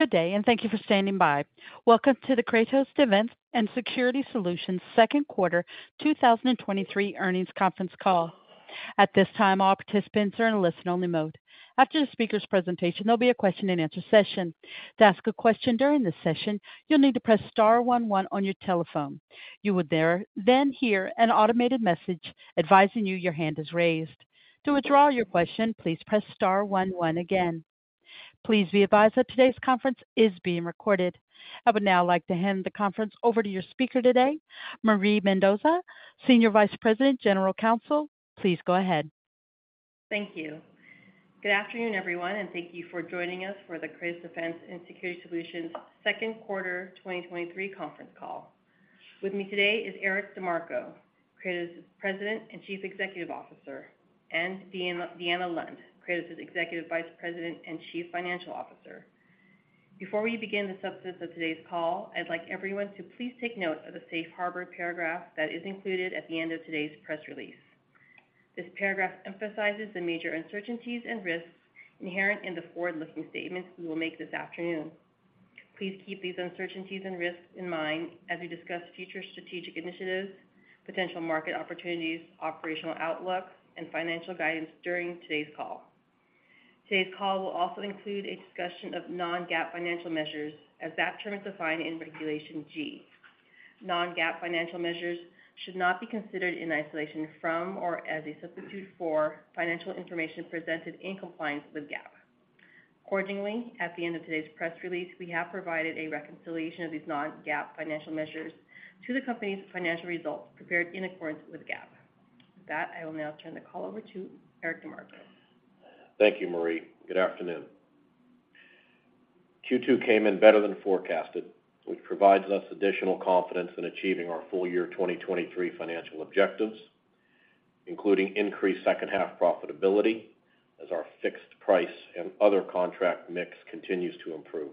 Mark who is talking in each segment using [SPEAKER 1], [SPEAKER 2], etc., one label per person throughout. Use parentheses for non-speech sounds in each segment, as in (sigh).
[SPEAKER 1] Good day, and thank you for standing by. Welcome to the Kratos Defense & Security Solutions second quarter 2023 earnings conference call. At this time, all participants are in listen-only mode. After the speaker's presentation, there'll be a question-and-answer session. To ask a question during this session, you'll need to press star one one on your telephone. You would then hear an automated message advising you your hand is raised. To withdraw your question, please press star one one again. Please be advised that today's conference is being recorded. I would now like to hand the conference over to your speaker today, Marie Mendoza, Senior Vice President, General Counsel. Please go ahead.
[SPEAKER 2] Thank you. Good afternoon, everyone, and thank you for joining us for the Kratos Defense & Security Solutions second quarter 2023 conference call. With me today is Eric DeMarco, Kratos' President and Chief Executive Officer, and Deanna Lund, Kratos' Executive Vice President and Chief Financial Officer. Before we begin the substance of today's call, I'd like everyone to please take note of the safe harbor paragraph that is included at the end of today's press release. This paragraph emphasizes the major uncertainties and risks inherent in the forward-looking statements we will make this afternoon. Please keep these uncertainties and risks in mind as we discuss future strategic initiatives, potential market opportunities, operational outlook, and financial guidance during today's call. Today's call will also include a discussion of non-GAAP financial measures, as that term is defined in Regulation G. Non-GAAP financial measures should not be considered in isolation from, or as a substitute for, financial information presented in compliance with GAAP. Accordingly, at the end of today's press release, we have provided a reconciliation of these non-GAAP financial measures to the company's financial results prepared in accordance with GAAP. With that, I will now turn the call over to Eric DeMarco.
[SPEAKER 3] Thank you, Marie. Good afternoon. Q2 came in better than forecasted, which provides us additional confidence in achieving our full year 2023 financial objectives, including increased second half profitability as our fixed price and other contract mix continues to improve.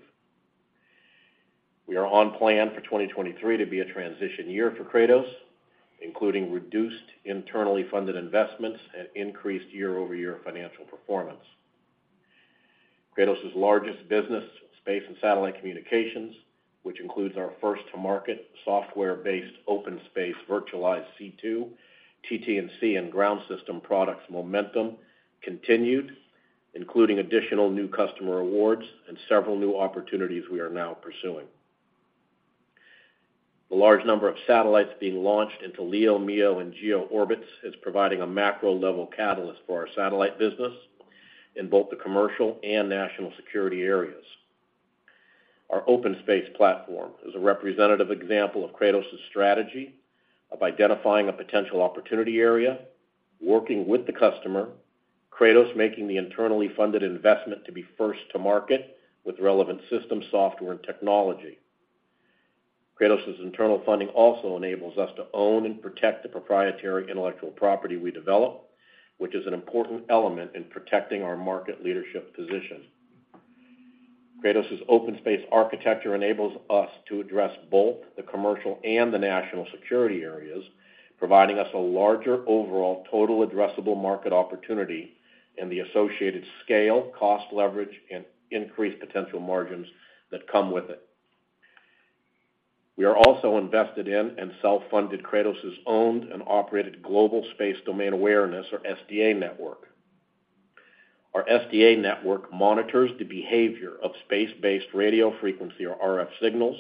[SPEAKER 3] We are on plan for 2023 to be a transition year for Kratos, including reduced internally funded investments and increased year-over-year financial performance. Kratos' largest business, space and satellite communications, which includes our first-to-market software-based, OpenSpace virtualized C2, TT&C, and ground system products momentum continued, including additional new customer awards and several new opportunities we are now pursuing. The large number of satellites being launched into LEO, MEO, and GEO orbits is providing a macro-level catalyst for our satellite business in both the commercial and national security areas. Our OpenSpace platform is a representative example of Kratos' strategy of identifying a potential opportunity area, working with the customer, Kratos making the internally funded investment to be first to market with relevant system, software, and technology. Kratos' internal funding also enables us to own and protect the proprietary intellectual property we develop, which is an important element in protecting our market leadership position. Kratos' OpenSpace architecture enables us to address both the commercial and the national security areas, providing us a larger overall total addressable market opportunity and the associated scale, cost leverage, and increased potential margins that come with it. We are also invested in and self-funded Kratos' owned and operated global Space Domain Awareness, or SDA network. Our SDA network monitors the behavior of space-based radio frequency or RF signals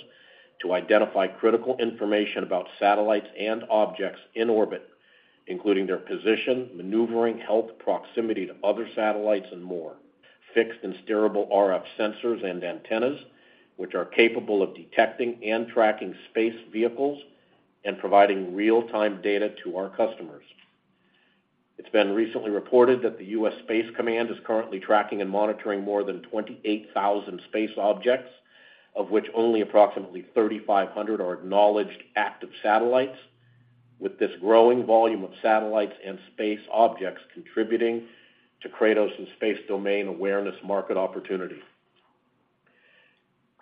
[SPEAKER 3] to identify critical information about satellites and objects in orbit, including their position, maneuvering, health, proximity to other satellites, and more. Fixed and steerable RF sensors and antennas, which are capable of detecting and tracking space vehicles and providing real-time data to our customers. It's been recently reported that the U.S. Space Command is currently tracking and monitoring more than 28,000 space objects, of which only approximately 3,500 are acknowledged active satellites, with this growing volume of satellites and space objects contributing to Kratos' Space Domain Awareness market opportunity.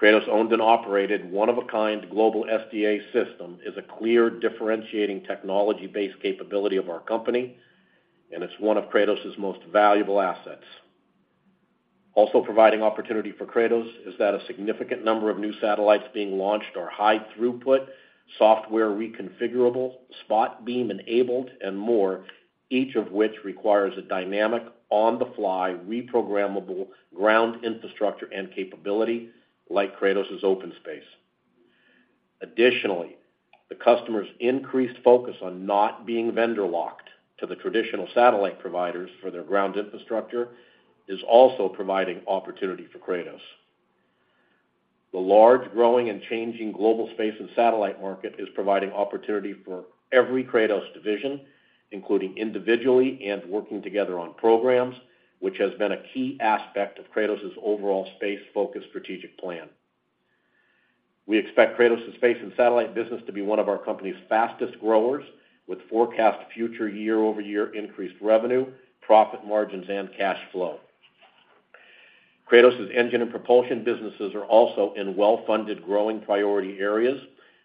[SPEAKER 3] Kratos' owned and operated, one-of-a-kind global SDA system is a clear differentiating technology-based capability of our company, and it's one of Kratos' most valuable assets. Also providing opportunity for Kratos is that a significant number of new satellites being launched are high throughput, software reconfigurable, spot beam-enabled, more, each of which requires a dynamic, on-the-fly, reprogrammable ground infrastructure and capability like Kratos' OpenSpace. Additionally, the customer's increased focus on not being vendor locked to the traditional satellite providers for their ground infrastructure is also providing opportunity for Kratos. The large, growing, and changing global space and satellite market is providing opportunity for every Kratos division, including individually and working together on programs, which has been a key aspect of Kratos' overall space-focused strategic plan. We expect Kratos' space and satellite business to be one of our company's fastest growers, with forecast future year-over-year increased revenue, profit margins, and cash flow. Kratos' engine and propulsion businesses are also in well-funded, growing priority areas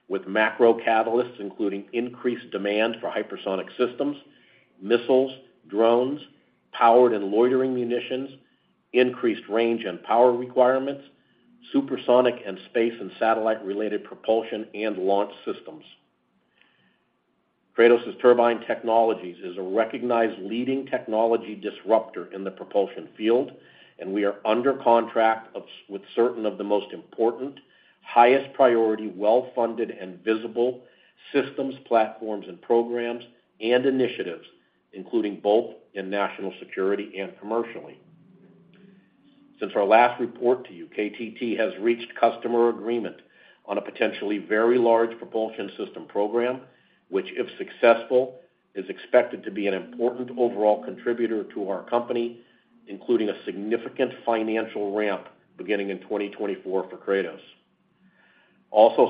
[SPEAKER 3] with macro catalysts, including increased demand for hypersonic systems, missiles, drones.... powered and loitering munitions, increased range and power requirements, supersonic and space and satellite-related propulsion and launch systems. Kratos Turbine Technologies is a recognized leading technology disruptor in the propulsion field. We are under contract with certain of the most important, highest priority, well-funded, and visible systems, platforms, and programs and initiatives, including both in national security and commercially. Since our last report to you, KTT has reached customer agreement on a potentially very large propulsion system program, which, if successful, is expected to be an important overall contributor to our company, including a significant financial ramp beginning in 2024 for Kratos.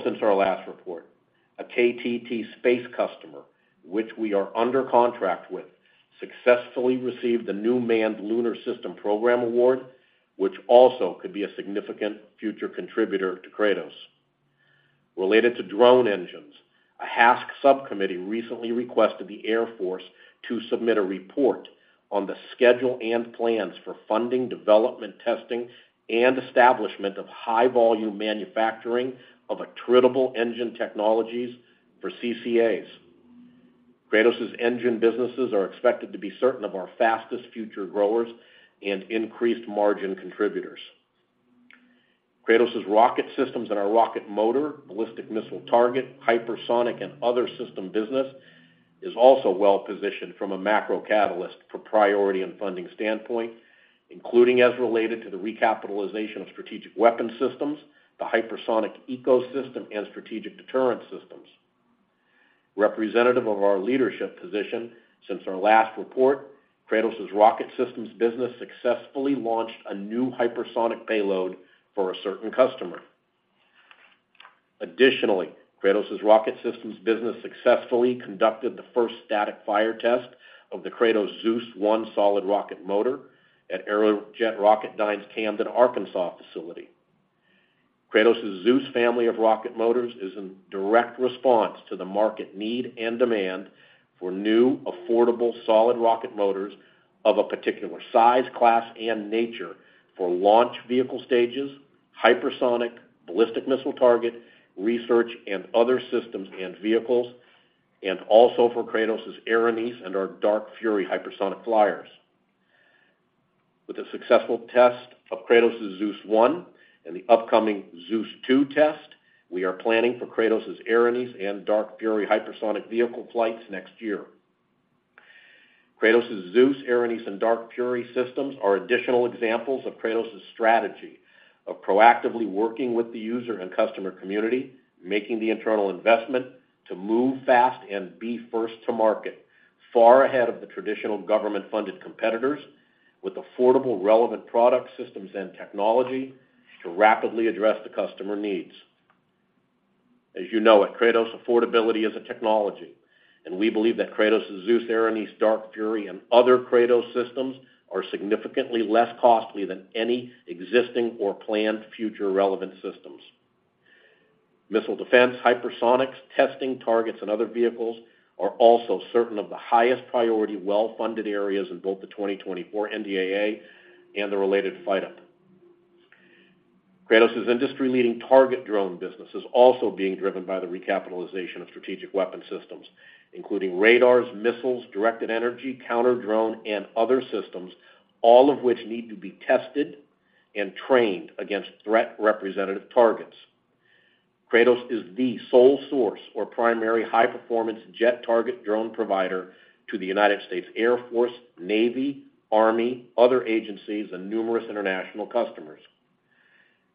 [SPEAKER 3] Since our last report, a KTT space customer, which we are under contract with, successfully received the new Manned Lunar System program award, which also could be a significant future contributor to Kratos. Related to drone engines, a HASC subcommittee recently requested the Air Force to submit a report on the schedule and plans for funding, development, testing, and establishment of high-volume manufacturing of attritable engine technologies for CCAs. Kratos' engine businesses are expected to be certain of our fastest future growers and increased margin contributors. Kratos' rocket systems and our rocket motor, ballistic missile target, hypersonic and other system business is also well positioned from a macro catalyst for priority and funding standpoint, including as related to the recapitalization of strategic weapon systems, the hypersonic ecosystem, and strategic deterrence systems. Representative of our leadership position, since our last report, Kratos' rocket systems business successfully launched a new hypersonic payload for a certain customer. Additionally, Kratos' rocket systems business successfully conducted the first static fire test of the Kratos ZEUS 1 solid rocket motor at Aerojet Rocketdyne's Camden, Arkansas, facility. Kratos' ZEUS family of rocket motors is in direct response to the market need and demand for new, affordable, solid rocket motors of a particular size, class, and nature for launch vehicle stages, hypersonic, ballistic missile target, research and other systems and vehicles, and also for Kratos' Erinys and our Dark Fury hypersonic flyers. With a successful test of Kratos' ZEUS 1 and the upcoming ZEUS 2 test, we are planning for Kratos' Erinys and Dark Fury hypersonic vehicle flights next year. Kratos' ZEUS, Erinys, and Dark Fury systems are additional examples of Kratos' strategy of proactively working with the user and customer community, making the internal investment to move fast and be first to market, far ahead of the traditional government-funded competitors, with affordable, relevant product systems and technology to rapidly address the customer needs. As you know, at Kratos, affordability is a technology. We believe that Kratos' Zeus, Erinys, Dark Fury, and other Kratos systems are significantly less costly than any existing or planned future relevant systems. Missile defense, hypersonics, testing targets, and other vehicles are also certain of the highest priority, well-funded areas in both the 2024 NDAA and the related fight up. Kratos' industry-leading target drone business is also being driven by the recapitalization of strategic weapon systems, including radars, missiles, directed energy, counter-drone, and other systems, all of which need to be tested and trained against threat representative targets. Kratos is the sole source or primary high-performance jet target drone provider to the United States Air Force, Navy, Army, other agencies, and numerous international customers.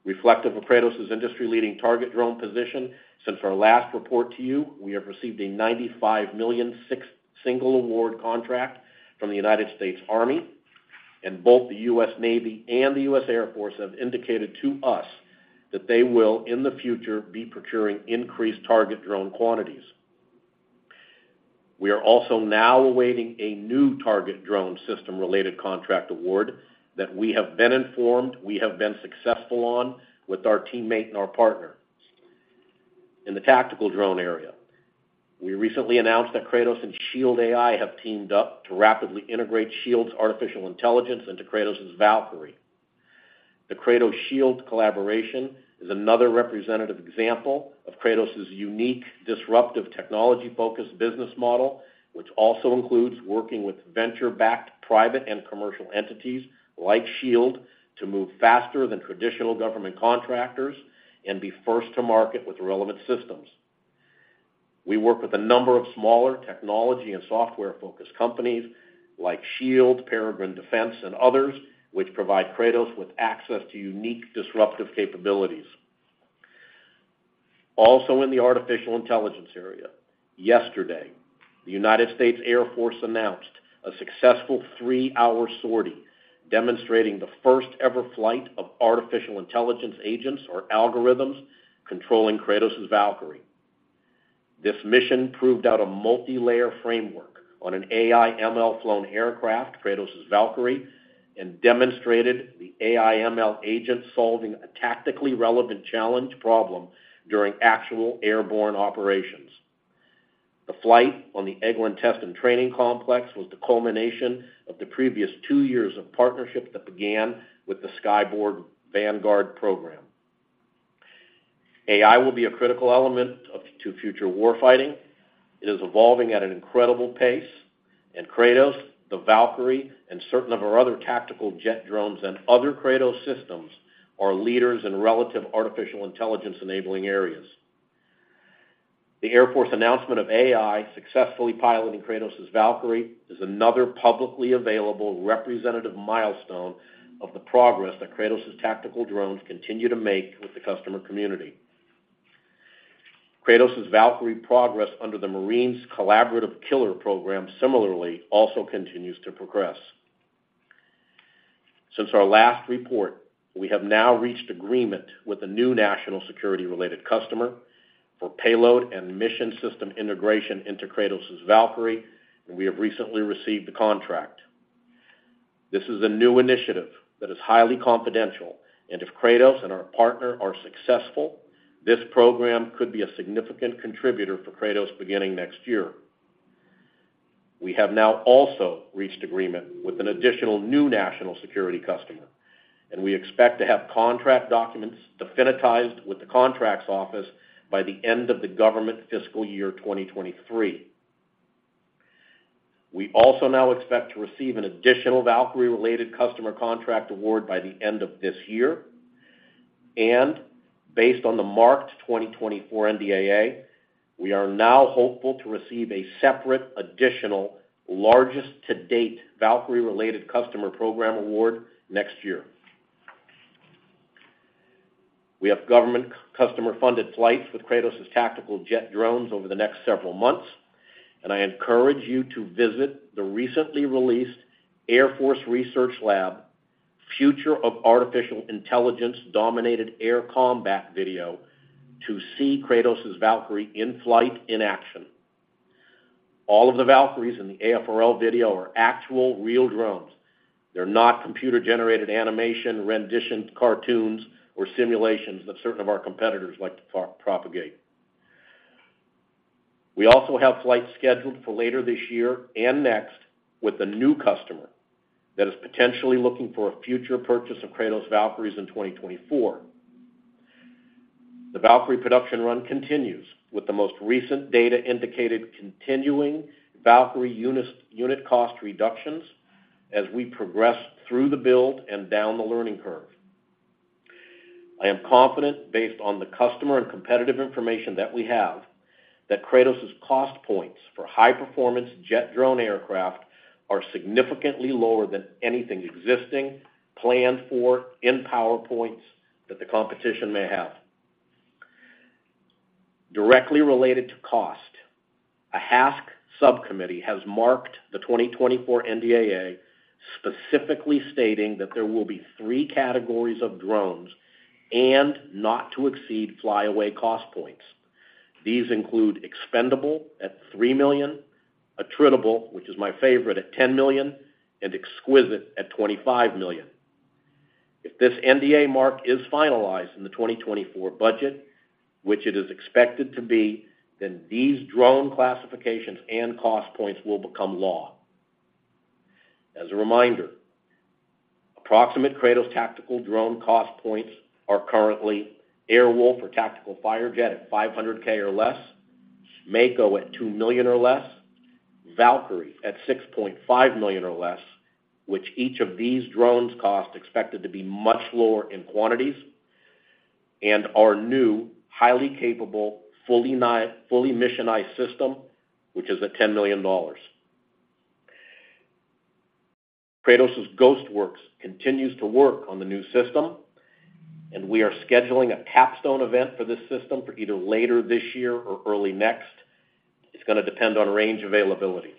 [SPEAKER 3] Reflective of Kratos' industry-leading target drone position, since our last report to you, we have received a $95 million single award contract from the United States Army, and both the U.S. Navy and the U.S. Air Force have indicated to us that they will, in the future, be procuring increased target drone quantities. We are also now awaiting a new target drone system-related contract award that we have been informed we have been successful on with our teammate and our partners. In the tactical drone area, we recently announced that Kratos and Shield AI have teamed up to rapidly integrate Shield's artificial intelligence into Kratos' Valkyrie. The Kratos Shield collaboration is another representative example of Kratos' unique, disruptive, technology-focused business model, which also includes working with venture-backed private and commercial entities like Shield, to move faster than traditional government contractors and be first to market with relevant systems. We work with a number of smaller technology and software-focused companies like Shield, Peregrine Defense, and others, which provide Kratos with access to unique, disruptive capabilities. In the artificial intelligence area, yesterday, the United States Air Force announced a successful three-hour sortie, demonstrating the first-ever flight of artificial intelligence agents or algorithms controlling Kratos' Valkyrie. This mission proved out a multilayer framework on an AI ML-flown aircraft, Kratos' Valkyrie, and demonstrated the AI ML agent solving a tactically relevant challenge problem during actual airborne operations. The flight on the Eglin Test and Training Complex was the culmination of the previous two years of partnership that began with the Skyborg Vanguard program. AI will be a critical element to future warfighting. It is evolving at an incredible pace, and Kratos, the Valkyrie, and certain of our other tactical jet drones and other Kratos systems are leaders in relative artificial intelligence enabling areas. The Air Force announcement of AI successfully piloting Kratos' Valkyrie is another publicly available representative milestone of the progress that Kratos' tactical drones continue to make with the customer community. Kratos' Valkyrie progress under the Marines' Collaborative Killer program similarly also continues to progress. Since our last report, we have now reached agreement with a new national security-related customer for payload and mission system integration into Kratos' Valkyrie, and we have recently received the contract. This is a new initiative that is highly confidential, and if Kratos and our partner are successful, this program could be a significant contributor for Kratos beginning next year. We have now also reached agreement with an additional new national security customer, and we expect to have contract documents definitized with the contracts office by the end of the government fiscal year 2023. We also now expect to receive an additional Valkyrie-related customer contract award by the end of this year, and based on the marked 2024 NDAA, we are now hopeful to receive a separate, additional, largest to-date Valkyrie-related customer program award next year. We have government customer-funded flights with Kratos' tactical jet drones over the next several months, and I encourage you to visit the recently released Air Force Research Lab, Future of Artificial Intelligence: Dominated Air Combat video to see Kratos' Valkyrie in flight, in action. All of the Valkyries in the AFRL video are actual, real drones. They're not computer-generated animation, renditions, cartoons, or simulations that certain of our competitors like to propagate. We also have flights scheduled for later this year and next with a new customer that is potentially looking for a future purchase of Kratos Valkyries in 2024. The Valkyrie production run continues, with the most recent data indicated continuing Valkyrie unit cost reductions as we progress through the build and down the learning curve. I am confident, based on the customer and competitive information that we have, that Kratos' cost points for high-performance jet drone aircraft are significantly lower than anything existing, planned for, in PowerPoints, that the competition may have. Directly related to cost, a HASC subcommittee has marked the 2024 NDAA, specifically stating that there will be three categories of drones and not to exceed fly away cost points. These include expendable at $3 million, attritable, which is my favorite, at $10 million, and exquisite at $25 million. If this NDAA mark is finalized in the 2024 budget, which it is expected to be, then these drone classifications and cost points will become law. As a reminder, approximate Kratos tactical drone cost points are currently Air Wolf or Tactical Firejet at $500K or less, Mako at $2 million or less, Valkyrie at $6.5 million or less, which each of these drones cost expected to be much lower in quantities, and our new, highly capable, fully missionized system, which is at $10 million. Kratos' Ghost Works continues to work on the new system, we are scheduling a capstone event for this system for either later this year or early next. It's gonna depend on range availability.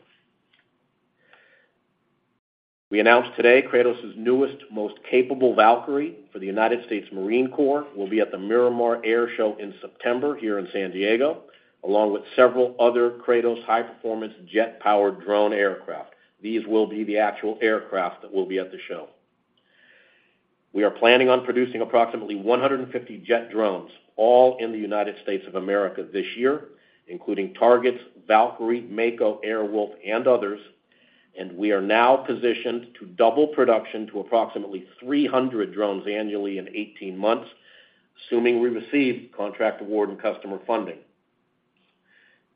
[SPEAKER 3] We announced today Kratos' newest, most capable Valkyrie for the United States Marine Corps will be at the Miramar Air Show in September here in San Diego, along with several other Kratos high-performance jet-powered drone aircraft. These will be the actual aircraft that will be at the show. We are planning on producing approximately 150 jet drones, all in the United States of America this year, including Targets, Valkyrie, Mako, Air Wolf, and others, and we are now positioned to double production to approximately 300 drones annually in 18 months, assuming we receive contract award and customer funding.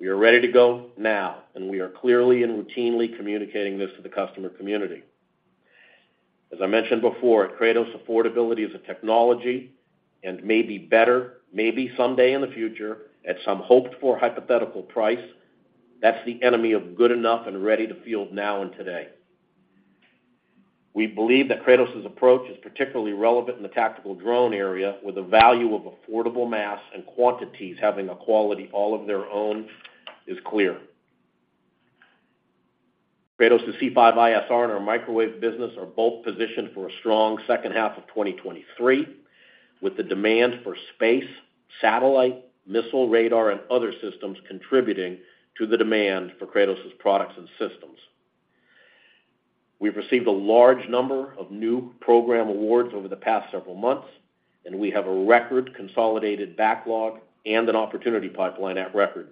[SPEAKER 3] We are ready to go now, and we are clearly and routinely communicating this to the customer community. As I mentioned before, at Kratos, affordability is a technology and may be better, maybe someday in the future, at some hoped-for hypothetical price, that's the enemy of good enough and ready to field now and today. We believe that Kratos' approach is particularly relevant in the tactical drone area, where the value of affordable mass and quantities having a quality all of their own is clear. Kratos' C5ISR and our microwave business are both positioned for a strong second half of 2023, with the demand for space, satellite, missile, radar, and other systems contributing to the demand for Kratos' products and systems.... We've received a large number of new program awards over the past several months, and we have a record consolidated backlog and an opportunity pipeline at record.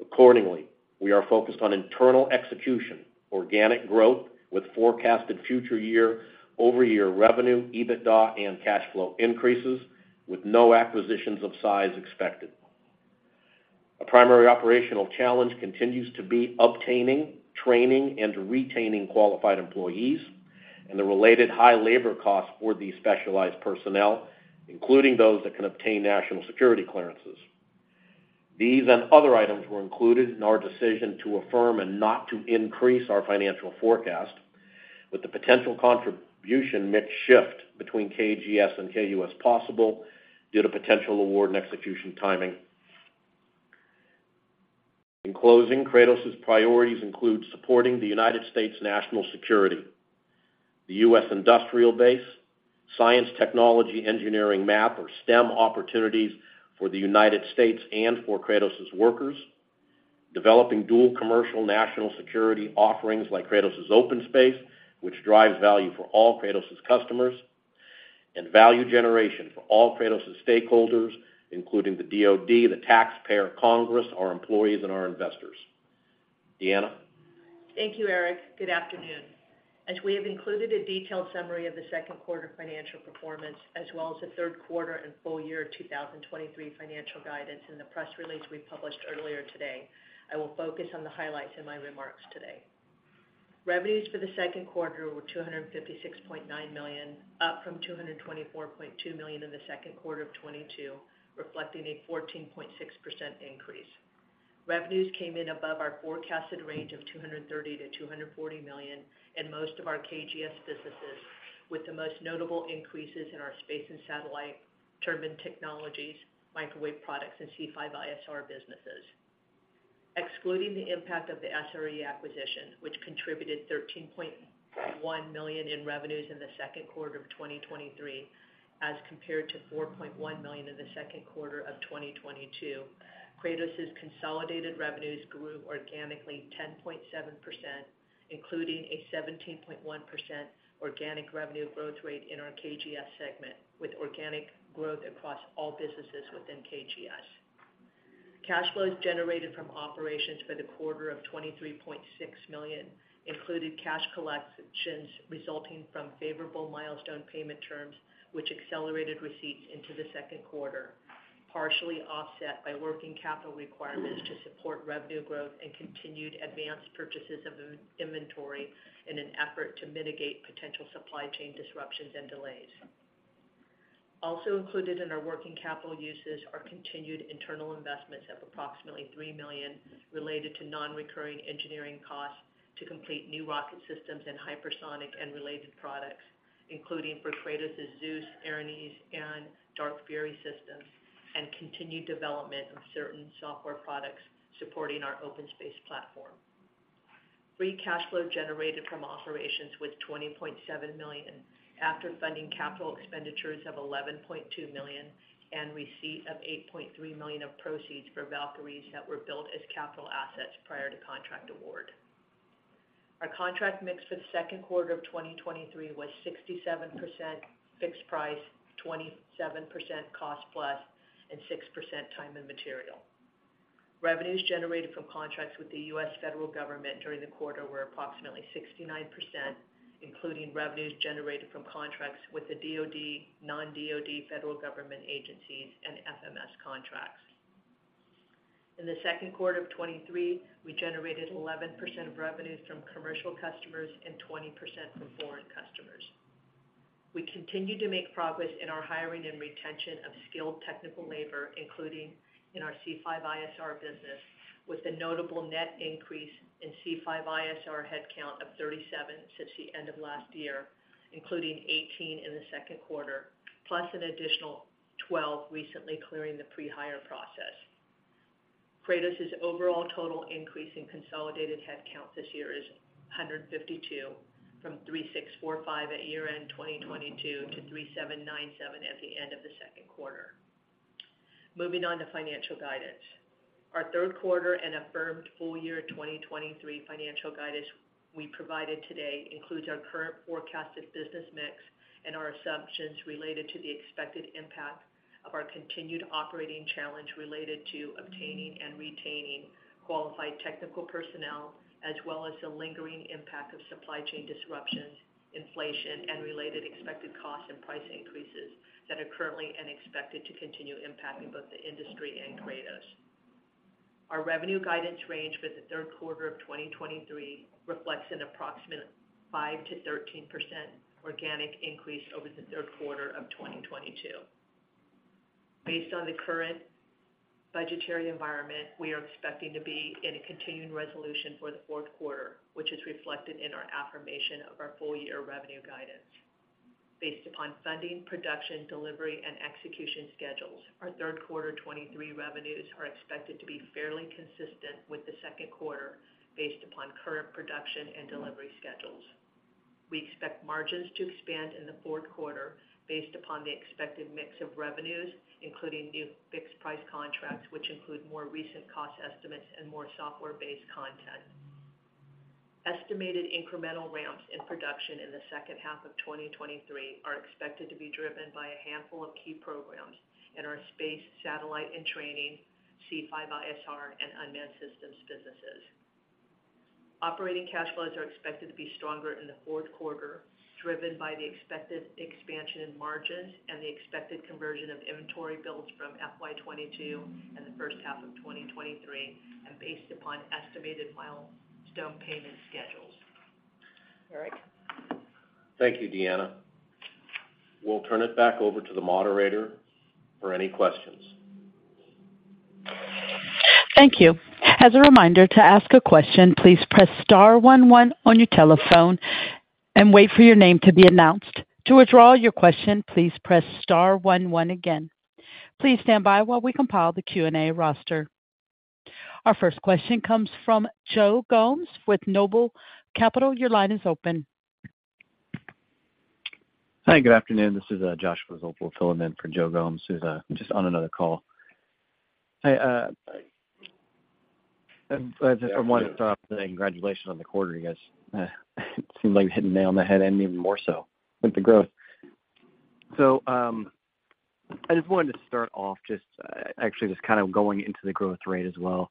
[SPEAKER 3] Accordingly, we are focused on internal execution, organic growth with forecasted future year-over-year revenue, EBITDA, and cash flow increases with no acquisitions of size expected. A primary operational challenge continues to be obtaining, training, and retaining qualified employees and the related high labor costs for these specialized personnel, including those that can obtain national security clearances. These and other items were included in our decision to affirm and not to increase our financial forecast, with the potential contribution mix shift between KGS and KUS possible due to potential award and execution timing. In closing, Kratos's priorities include supporting the United States national security, the U.S. industrial base, science, technology, engineering, math, or STEM opportunities for the United States and for Kratos's workers. Developing dual commercial national security offerings like Kratos's OpenSpace, which drives value for all Kratos's customers, and value generation for all Kratos's stakeholders, including the DoD, the taxpayer, Congress, our employees, and our investors. Deanna?
[SPEAKER 4] Thank you, Eric. Good afternoon. As we have included a detailed summary of the second quarter financial performance, as well as the third quarter and full year 2023 financial guidance in the press release we published earlier today, I will focus on the highlights in my remarks today. Revenues for the second quarter were $256.9 million, up from $224.2 million in the second quarter of 2022, reflecting a 14.6% increase. Revenues came in above our forecasted range of $230 million-$240 million in most of our KGS businesses, with the most notable increases in our space and satellite, turbine technologies, microwave products, and C5ISR businesses. Excluding the impact of the SRE acquisition, which contributed $13.1 million in revenues in the second quarter of 2023, as compared to $4.1 million in the second quarter of 2022, Kratos's consolidated revenues grew organically 10.7%, including a 17.1% organic revenue growth rate in our KGS segment, with organic growth across all businesses within KGS. Cash flows generated from operations for the quarter of $23.6 million included cash collections resulting from favorable milestone payment terms, which accelerated receipts into the second quarter, partially offset by working capital requirements to support revenue growth and continued advanced purchases of in-inventory in an effort to mitigate potential supply chain disruptions and delays. Also included in our working capital uses are continued internal investments of approximately $3 million related to non-recurring engineering costs to complete new rocket systems and hypersonic and related products, including for Kratos' ZEUS, Erinyes, and Dark Fury systems, and continued development of certain software products supporting our OpenSpace platform. Free cash flow generated from operations was $20.7 million, after funding capital expenditures of $11.2 million and receipt of $8.3 million of proceeds for Valkyries that were built as capital assets prior to contract award. Our contract mix for the second quarter of 2023 was 67% fixed price, 27% cost plus, and 6% time and material. Revenues generated from contracts with the U.S. federal government during the quarter were approximately 69%, including revenues generated from contracts with the DoD, non-DoD federal government agencies, and FMS contracts. In the second quarter of 2023, we generated 11% of revenues from commercial customers and 20% from foreign customers. We continue to make progress in our hiring and retention of skilled technical labor, including in our C5ISR business, with a notable net increase in C5ISR headcount of 37 since the end of last year, including 18 in the second quarter, plus an additional 12 recently clearing the pre-hire process. Kratos' overall total increase in consolidated headcount this year is 152, from 3,645 at year-end 2022 to 3,797 at the end of the second quarter. Moving on to financial guidance. Our third quarter and affirmed full-year 2023 financial guidance we provided today includes our current forecasted business mix and our assumptions related to the expected impact of our continued operating challenge related to obtaining and retaining qualified technical personnel, as well as the lingering impact of supply chain disruptions, inflation, and related expected costs and price increases that are currently and expected to continue impacting both the industry and Kratos. Our revenue guidance range for the third quarter of 2023 reflects an approximate 5%-13% organic increase over the third quarter of 2022. Based on the current budgetary environment, we are expecting to be in a continuing resolution for the fourth quarter, which is reflected in our affirmation of our full-year revenue guidance. Based upon funding, production, delivery, and execution schedules, our third quarter 2023 revenues are expected to be fairly consistent with the second quarter based upon current production and delivery schedules. We expect margins to expand in the fourth quarter based upon the expected mix of revenues, including new fixed-price contracts, which include more recent cost estimates and more software-based content. Estimated incremental ramps in production in the second half of 2023 are expected to be driven by a handful of key programs in our space, satellite and training, C5ISR, and unmanned systems businesses. Operating cash flows are expected to be stronger in the fourth quarter, driven by the expected expansion in margins and the expected conversion of inventory bills from FY 2022 and the first half of 2023, based upon estimated milestone payment schedules. Eric?
[SPEAKER 3] Thank you, Deanna. We'll turn it back over to the moderator for any questions.
[SPEAKER 1] Thank you. As a reminder to ask a question, please press star one one on your telephone and wait for your name to be announced. To withdraw your question, please press star one one again. Please stand by while we compile the Q&A roster. Our first question comes from Joe Gomes with Noble Capital. Your line is open.
[SPEAKER 5] Hi, good afternoon. This is Josh, (audio distortion) filling in for Joe Gomes, who's just on another call. Hi, I just wanted to drop congratulations on the quarter, you guys. Seemed like you hit the nail on the head, even more so with the growth. I just wanted to start off actually, kind of going into the growth rate as well.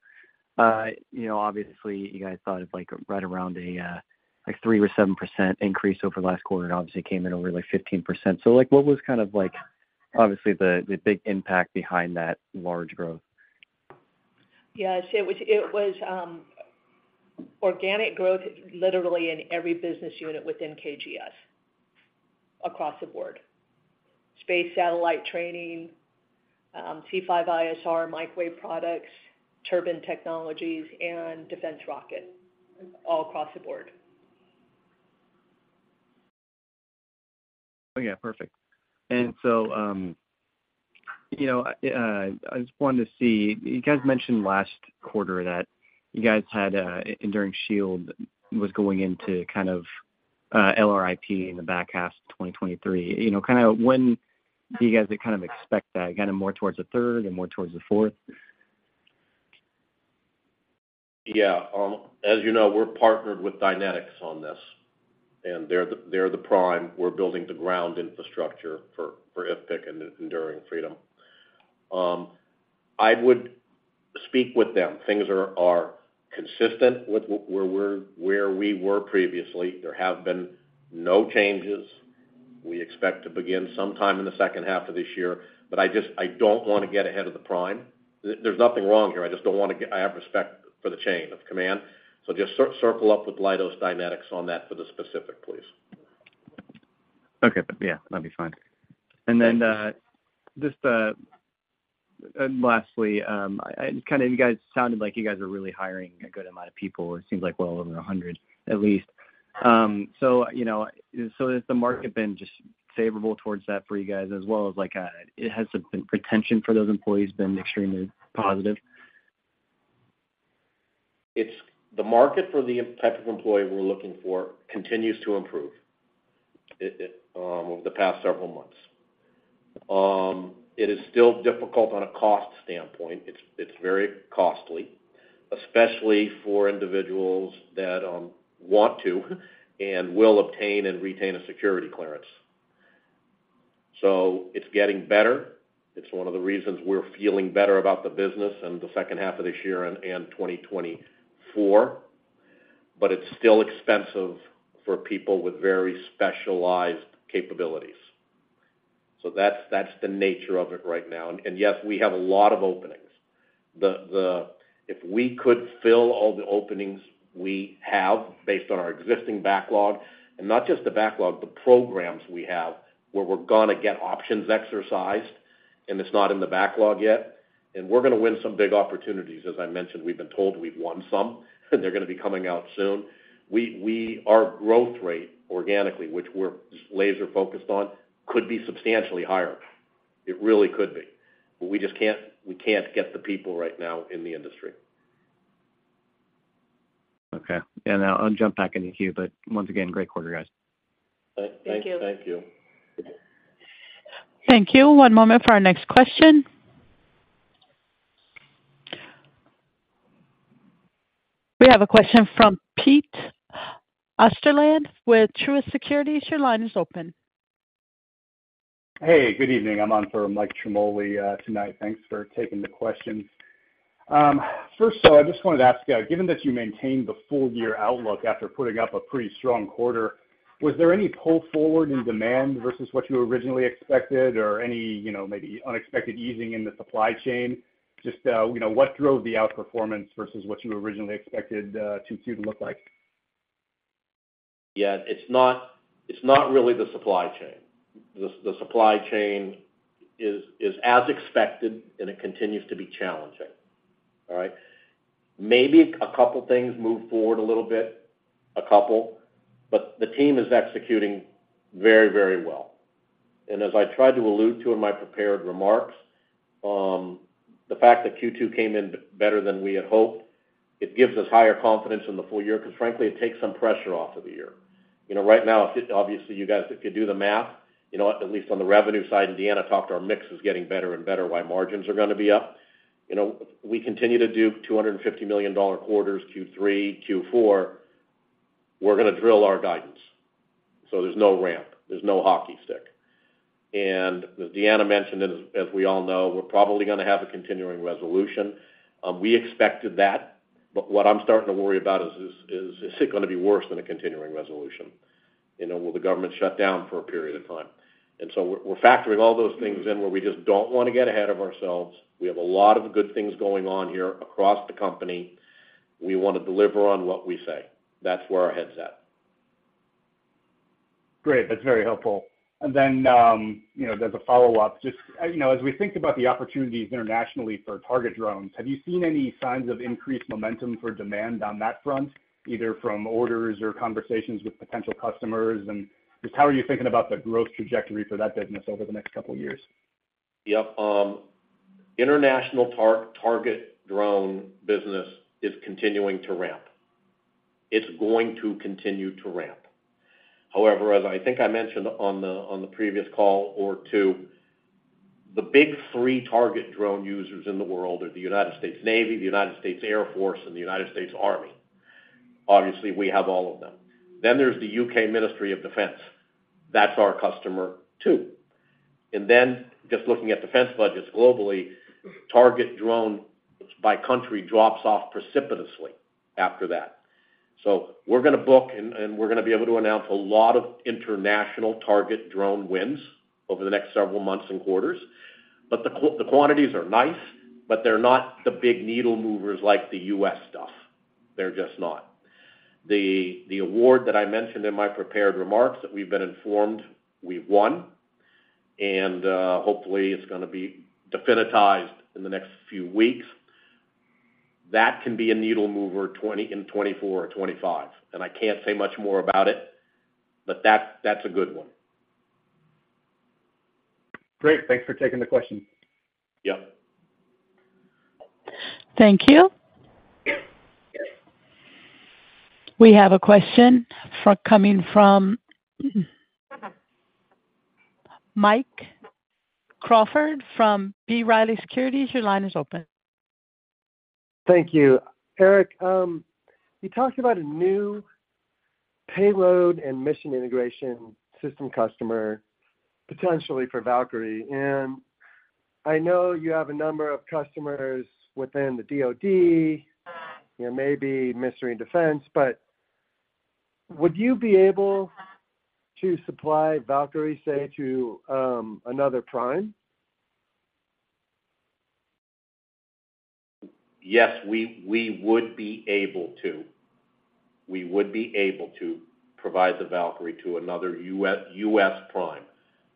[SPEAKER 5] You know, obviously, you guys thought of, like, right around a, like 3% or 7% increase over the last quarter, and obviously came in over, like, 15%. Like, what was kind of like, obviously, the big impact behind that large growth?
[SPEAKER 4] Yes, it was, it was, organic growth, literally in every business unit within KGS across the board. Space, satellite, training, C5ISR, microwave products, turbine technologies, and defense rocket, all across the board.
[SPEAKER 5] Yeah, perfect. You know, I just wanted to see, you guys mentioned last quarter that you guys had Enduring Shield was going into kind of LRIP in the back half of 2023. You know, kind of when do you guys kind of expect that, kind of more towards the third or more towards the fourth?
[SPEAKER 3] Yeah. As you know, we're partnered with Dynetics on this, they're the, they're the prime. We're building the ground infrastructure for, for IPPIC and Enduring Freedom. I would speak with them. Things are, are consistent with where we're, where we were previously. There have been no changes. We expect to begin sometime in the second half of this year, I just I don't want to get ahead of the prime. There's nothing wrong here. I just don't want to get I have respect for the chain of command, just circle up with Leidos Dynetics on that for the specific, please.
[SPEAKER 5] Okay. Yeah, that'd be fine. Just, lastly, I kind of you guys sounded like you guys are really hiring a good amount of people. It seems like well over 100, at least. You know, so has the market been just favorable towards that for you guys as well as like, it has the retention for those employees been extremely positive?
[SPEAKER 3] It's the market for the type of employee we're looking for continues to improve, it, it, over the past several months. It is still difficult on a cost standpoint. It's, it's very costly, especially for individuals that want to and will obtain and retain a security clearance. It's getting better. It's one of the reasons we're feeling better about the business and the second half of this year and 2024, but it's still expensive for people with very specialized capabilities. That's, that's the nature of it right now. Yes, we have a lot of openings. If we could fill all the openings we have based on our existing backlog, and not just the backlog, the programs we have, where we're gonna get options exercised and it's not in the backlog yet, and we're gonna win some big opportunities. As I mentioned, we've been told we've won some, and they're gonna be coming out soon. We, our growth rate, organically, which we're laser-focused on, could be substantially higher. It really could be, but we just can't, we can't get the people right now in the industry.
[SPEAKER 5] Okay. I'll jump back in the queue, but once again, great quarter, guys.
[SPEAKER 3] Thank you.
[SPEAKER 4] Thank you.
[SPEAKER 1] Thank you. One moment for our next question. We have a question from Pete Osterland with Truist Securities. Your line is open.
[SPEAKER 6] Hey, good evening. I'm on for Mike Trimboli tonight. Thanks for taking the questions. First of all, I just wanted to ask, given that you maintained the full year outlook after putting up a pretty strong quarter, was there any pull forward in demand versus what you originally expected or any, you know, maybe unexpected easing in the supply chain? Just, you know, what drove the outperformance versus what you originally expected 2022 to look like?
[SPEAKER 3] Yeah, it's not, it's not really the supply chain. The, the supply chain is, is as expected, and it continues to be challenging. All right? Maybe a couple things moved forward a little bit, a couple, but the team is executing very, very well. As I tried to allude to in my prepared remarks, the fact that Q2 came in better than we had hoped, it gives us higher confidence in the full year, 'cause frankly, it takes some pressure off of the year. You know, right now, obviously, you guys, if you do the math, you know, at least on the revenue side, and Deanna talked, our mix is getting better and better, why margins are gonna be up. You know, we continue to do $250 million quarters, Q3, Q4, we're gonna drill our guidance, so there's no ramp, there's no hockey stick. As Deanna mentioned, and as, as we all know, we're probably gonna have a continuing resolution. We expected that, what I'm starting to worry about is, is, is it gonna be worse than a continuing resolution? You know, will the government shut down for a period of time? So we're, we're factoring all those things in, where we just don't wanna get ahead of ourselves. We have a lot of good things going on here across the company. We wanna deliver on what we say. That's where our head's at.
[SPEAKER 6] Great, that's very helpful. You know, there's a follow-up. Just, you know, as we think about the opportunities internationally for target drones, have you seen any signs of increased momentum for demand on that front, either from orders or conversations with potential customers? Just how are you thinking about the growth trajectory for that business over the next couple of years?
[SPEAKER 3] Yep. international target drone business is continuing to ramp. It's going to continue to ramp. However, as I think I mentioned on the previous call or two, the big three target drone users in the world are the United States Navy, the United States Air Force, and the United States Army. Obviously, we have all of them. There's the UK Ministry of Defence. That's our customer, too. Just looking at defense budgets globally, target drone by country drops off precipitously after that. We're gonna book, and we're gonna be able to announce a lot of international target drone wins over the next several months and quarters. The quantities are nice, but they're not the big needle movers like the U.S. stuff. They're just not. The, the award that I mentioned in my prepared remarks that we've been informed we've won, and hopefully it's gonna be definitized in the next few weeks, that can be a needle mover 20, in 2024 or 2025. I can't say much more about it, but that's, that's a good one.
[SPEAKER 6] Great. Thanks for taking the question.
[SPEAKER 3] Yep.
[SPEAKER 1] Thank you. We have a question coming from Mike Crawford from B. Riley Securities. Your line is open.
[SPEAKER 7] Thank you. Eric, you talked about a new payload and mission integration system customer, potentially for Valkyrie, and I know you have a number of customers within the DoD, you know, maybe Ministry of Defense, but would you be able to supply Valkyrie, say, to, another prime?
[SPEAKER 3] Yes, we, we would be able to. We would be able to provide the Valkyrie to another U.S., U.S. prime.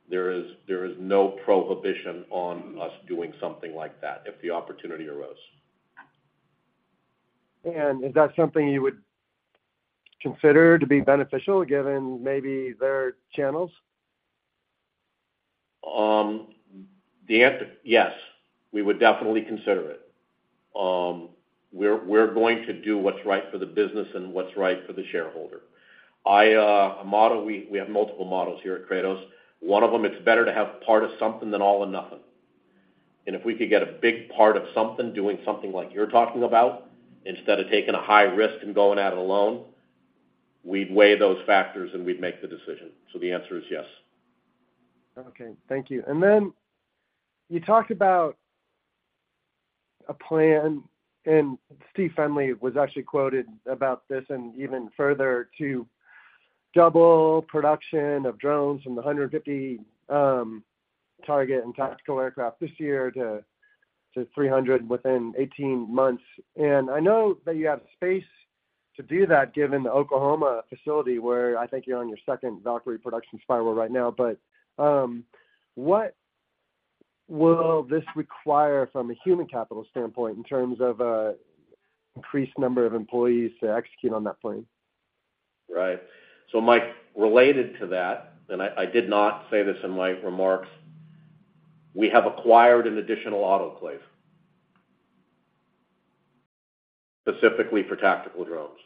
[SPEAKER 3] There is, there is no prohibition on us doing something like that if the opportunity arose.
[SPEAKER 7] Is that something you would consider to be beneficial, given maybe their channels?
[SPEAKER 3] The answer, yes, we would definitely consider it. We're, we're going to do what's right for the business and what's right for the shareholder. I, a model, we have multiple models here at Kratos. One of them, it's better to have part of something than all or nothing. If we could get a big part of something, doing something like you're talking about, instead of taking a high risk and going at it alone, we'd weigh those factors, and we'd make the decision. The answer is yes.
[SPEAKER 7] Okay. Thank you. You talked about a plan, and Steve Fendley was actually quoted about this and even further, to double production of drones from the 150 target and tactical aircraft this year to 300 within 18 months. I know that you have space to do that, given the Oklahoma facility, where I think you're on your second Valkyrie production spiral right now. What will this require from a human capital standpoint, in terms of a increased number of employees to execute on that plan?
[SPEAKER 3] Right. Mike, related to that, and I, I did not say this in my remarks, we have acquired an additional autoclave, specifically for tactical drones.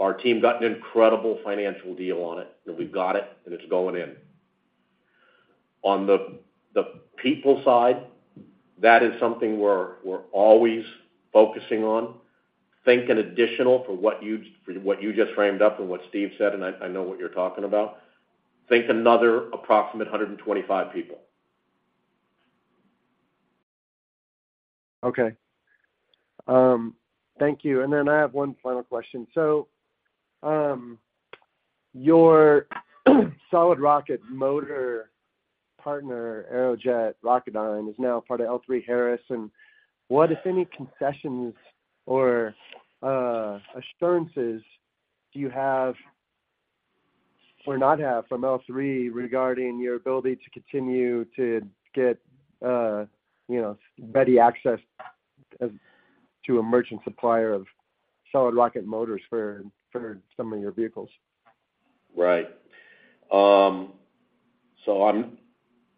[SPEAKER 3] Our team got an incredible financial deal on it, and we've got it, and it's going in. On the, the people side, that is something we're, we're always focusing on. Think an additional for what you, for what you just framed up and what Steve said, and I, I know what you're talking about. Think another approximate 125 people.
[SPEAKER 7] Okay. Thank you. Then I have one final question. Your solid rocket motor partner, Aerojet Rocketdyne, is now part of L3Harris. What, if any, concessions or assurances do you have or not have from L3 regarding your ability to continue to get, you know, ready access to-... as to a merchant supplier of solid rocket motors for some of your vehicles?
[SPEAKER 3] Right. I'm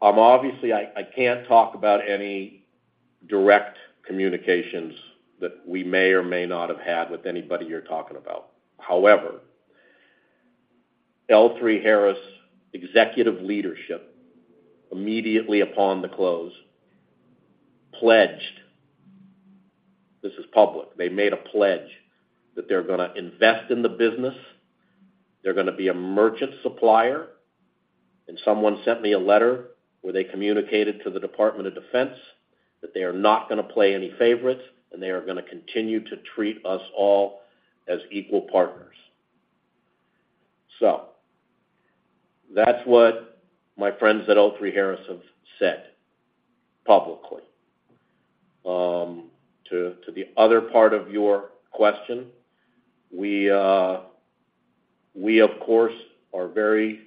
[SPEAKER 3] obviously, I can't talk about any direct communications that we may or may not have had with anybody you're talking about. However, L3Harris executive leadership, immediately upon the close, pledged, this is public, they made a pledge that they're gonna invest in the business. They're gonna be a merchant supplier, and someone sent me a letter where they communicated to the Department of Defense that they are not gonna play any favorites, and they are gonna continue to treat us all as equal partners. That's what my friends at L3Harris have said publicly. To the other part of your question, we, of course, are very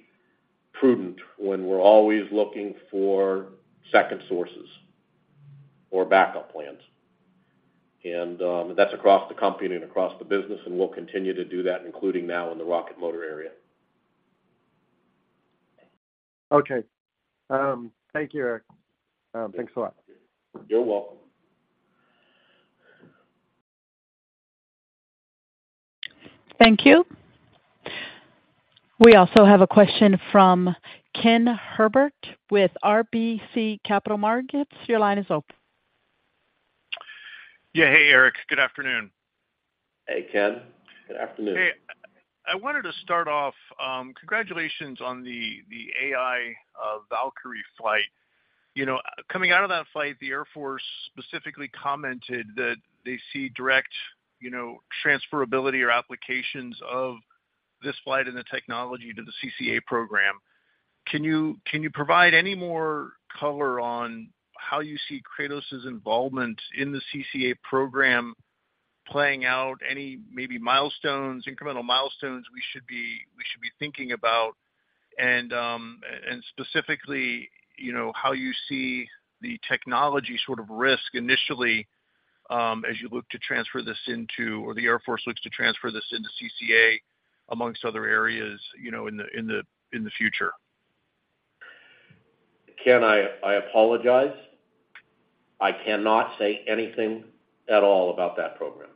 [SPEAKER 3] prudent when we're always looking for second sources or backup plans. That's across the company and across the business, and we'll continue to do that, including now in the rocket motor area.
[SPEAKER 7] Okay. Thank you, Eric. Thanks a lot.
[SPEAKER 3] You're welcome.
[SPEAKER 1] Thank you. We also have a question from Ken Herbert with RBC Capital Markets. Your line is open.
[SPEAKER 8] Yeah. Hey, Eric. Good afternoon.
[SPEAKER 3] Hey, Ken. Good afternoon.
[SPEAKER 8] Hey, I wanted to start off, congratulations on the, the AI Valkyrie flight. You know, coming out of that flight, the Air Force specifically commented that they see direct, you know, transferability or applications of this flight and the technology to the CCA program. Can you, can you provide any more color on how you see Kratos's involvement in the CCA program playing out, any maybe milestones, incremental milestones we should be, we should be thinking about? Specifically, you know, how you see the technology sort of risk initially, as you look to transfer this into, or the Air Force looks to transfer this into CCA, amongst other areas, you know, in the, in the, in the future.
[SPEAKER 3] Ken, I apologize. I cannot say anything at all about that program.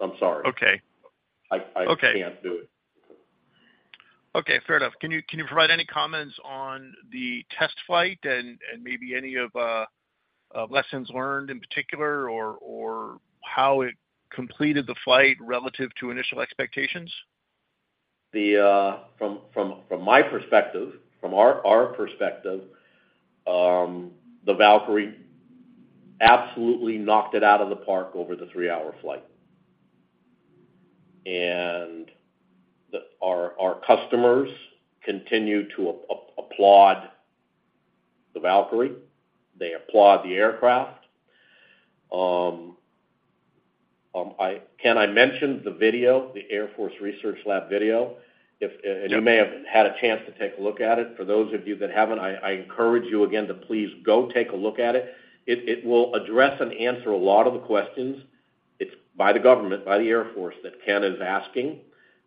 [SPEAKER 3] I'm sorry.
[SPEAKER 8] Okay.
[SPEAKER 3] I, I-
[SPEAKER 8] Okay.
[SPEAKER 3] I can't do it.
[SPEAKER 8] Okay, fair enough. Can you, can you provide any comments on the test flight and, and maybe any of, lessons learned in particular, or, or how it completed the flight relative to initial expectations?
[SPEAKER 3] The, from my perspective, from our perspective, the Valkyrie absolutely knocked it out of the park over the 3-hour flight. Our customers continue to applaud the Valkyrie. They applaud the aircraft. Ken, I mentioned the video, the Air Force Research Lab video. If.
[SPEAKER 8] Yeah.
[SPEAKER 3] You may have had a chance to take a look at it. For those of you that haven't, I, I encourage you again to please go take a look at it. It, it will address and answer a lot of the questions. It's by the government, by the Air Force that Ken is asking,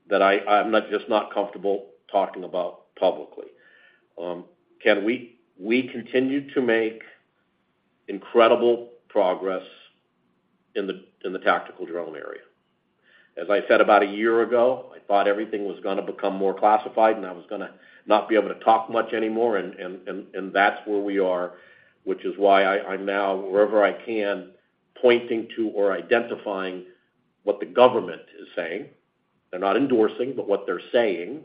[SPEAKER 3] that I, I'm not, just not comfortable talking about publicly. Ken, we, we continue to make incredible progress in the, in the tactical drone area. As I said, about a year ago, I thought everything was gonna become more classified, and I was gonna not be able to talk much anymore, and, and, and, and that's where we are, which is why I, I'm now, wherever I can, pointing to or identifying what the government is saying. They're not endorsing, what they're saying,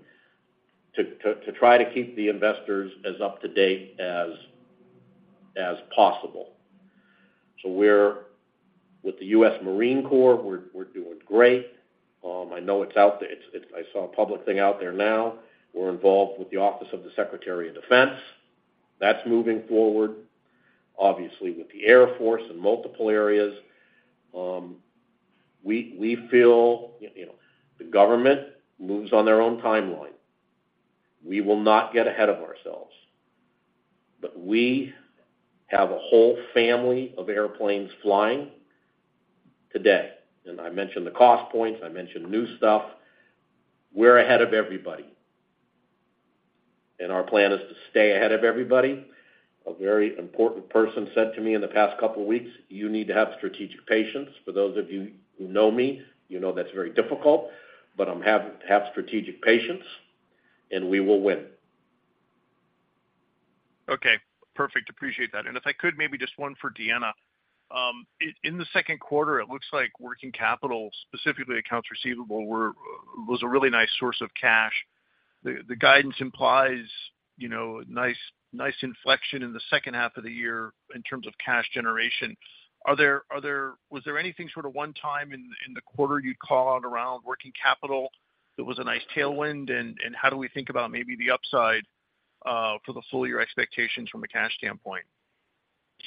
[SPEAKER 3] to, to, to try to keep the investors as up to date as, as possible. We're with the US Marine Corps, we're, we're doing great. I know it's out there. It's, it's, I saw a public thing out there now. We're involved with the Office of the Secretary of Defense. That's moving forward, obviously, with the Air Force in multiple areas. We, we feel, you, you know, the government moves on their own timeline. We will not get ahead of ourselves, but we have a whole family of airplanes flying today. I mentioned the cost points. I mentioned new stuff. We're ahead of everybody. Our plan is to stay ahead of everybody. A very important person said to me in the past couple of weeks, "You need to have strategic patience." For those of you who know me, you know that's very difficult, but I'm have strategic patience, and we will win.
[SPEAKER 8] Okay, perfect. Appreciate that. And if I could, maybe just one for Deanna. In the second quarter, it looks like working capital, specifically accounts receivable, was a really nice source of cash. The guidance implies, you know, nice, nice inflection in the second half of the year in terms of cash generation. Was there anything sort of one time in the quarter you'd call out around working capital that was a nice tailwind? And how do we think about maybe the upside for the full year expectations from a cash standpoint?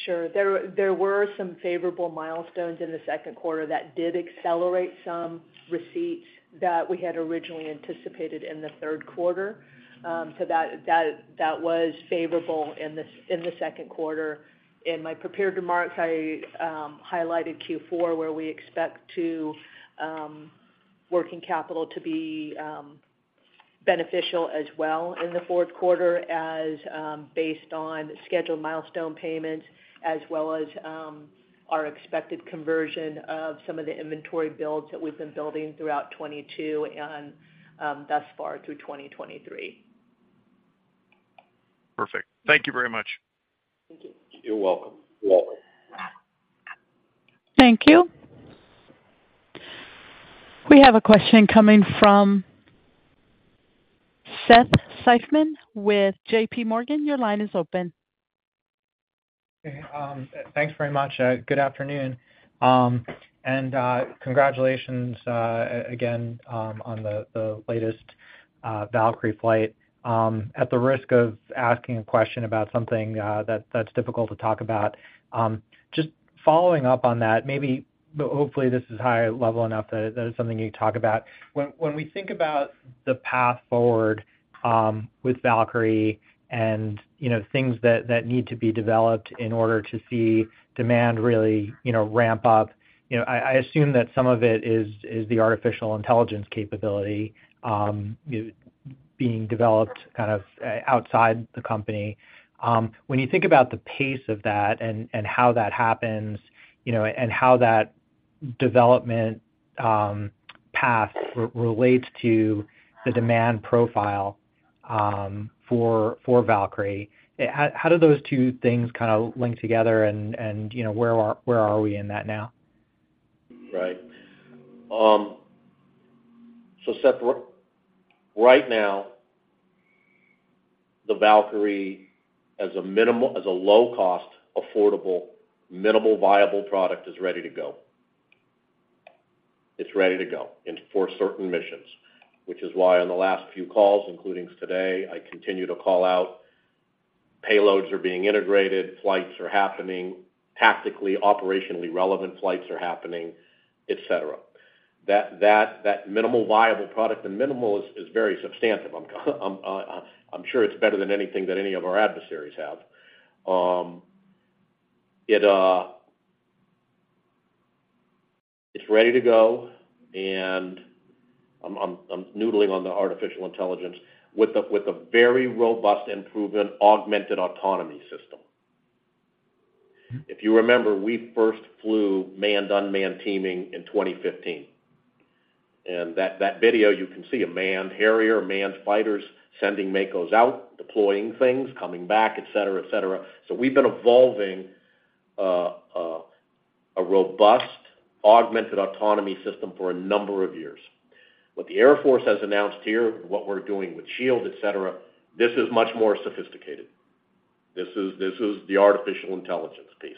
[SPEAKER 4] Sure. There, there were some favorable milestones in the second quarter that did accelerate some receipts that we had originally anticipated in the third quarter. So that, that, that was favorable in the, in the second quarter. In my prepared remarks, I highlighted Q4, where we expect to working capital to be beneficial as well in the fourth quarter as based on scheduled milestone payments, as well as our expected conversion of some of the inventory builds that we've been building throughout 2022 and thus far through 2023.
[SPEAKER 8] Perfect. Thank you very much.
[SPEAKER 4] Thank you.
[SPEAKER 3] You're welcome. You're welcome.
[SPEAKER 1] Thank you. We have a question coming from Seth Seifman with JPMorgan. Your line is open.
[SPEAKER 9] Okay, thanks very much. Good afternoon. Congratulations, again, on the latest Valkyrie flight. At the risk of asking a question about something that's difficult to talk about, just following up on that, maybe, but hopefully, this is high level enough that it's something you can talk about. When we think about the path forward with Valkyrie and, you know, things that need to be developed in order to see demand really, you know, ramp up, you know, I assume that some of it is the artificial intelligence capability being developed kind of outside the company. When you think about the pace of that and, and how that happens, you know, and how that development, path re- relates to the demand profile, for, for Valkyrie, how, how do those two things kind of link together and, and, you know, where are, where are we in that now?
[SPEAKER 3] Right. Seth, right now, the Valkyrie, as a minimal as a low cost, affordable, minimal viable product, is ready to go. It's ready to go, and for certain missions, which is why on the last few calls, including today, I continue to call out payloads are being integrated, flights are happening, tactically, operationally relevant flights are happening, et cetera. That, that, that minimal viable product, and minimal is, is very substantive. I'm, I'm sure it's better than anything that any of our adversaries have. It's ready to go, and I'm, I'm, I'm noodling on the artificial intelligence with a, with a very robust and proven augmented autonomy system. If you remember, we first flew manned-unmanned teaming in 2015, and that, that video, you can see a manned Harrier, manned fighters, sending Makos out, deploying things, coming back, et cetera, et cetera. We've been evolving a robust augmented autonomy system for a number of years. What the Air Force has announced here, what we're doing with Shield, et cetera, this is much more sophisticated. This is, this is the artificial intelligence piece.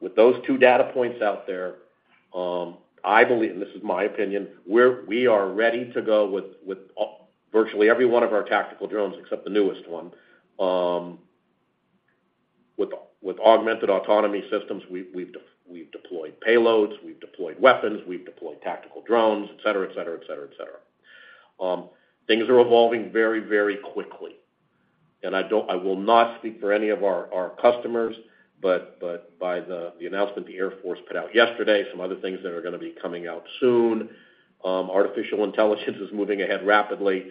[SPEAKER 3] With those two data points out there, I believe, and this is my opinion, we are ready to go with virtually every one of our tactical drones, except the newest one. With augmented autonomy systems, we've deployed payloads, we've deployed weapons, we've deployed tactical drones, et cetera, et cetera, et cetera, et cetera. Things are evolving very, very quickly, and I don't-- I will not speak for any of our, our customers, but, but by the, the announcement the Air Force put out yesterday, some other things that are gonna be coming out soon, artificial intelligence is moving ahead rapidly.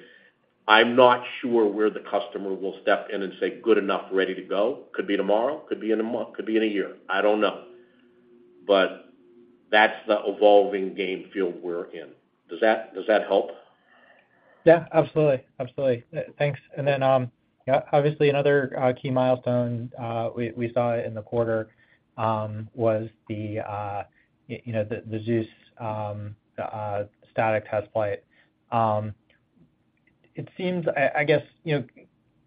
[SPEAKER 3] I'm not sure where the customer will step in and say, "Good enough, ready to go." Could be tomorrow, could be in a month, could be in a year. I don't know. That's the evolving game field we're in. Does that, does that help?
[SPEAKER 9] Yeah, absolutely. Absolutely. Thanks. Then, yeah, obviously, another key milestone we saw in the quarter was the, you know, the ZEUS static test flight. It seems... I, I guess, you know,